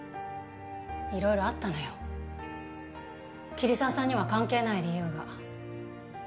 いろいろあったのよ桐沢さんには関係ない理由が。